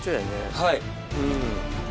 はい。